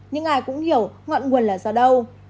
nhưng ai cũng hiểu ngoạn nguồn là do đâu